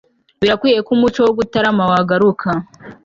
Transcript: birakwiye ko umuco wo gutarama wagaruka